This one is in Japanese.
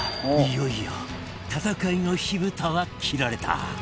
いよいよ戦いの火ぶたは切られた